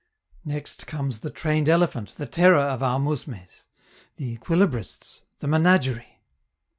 Next comes the trained elephant, the terror of our mousmes, the equilibrists, the menagerie.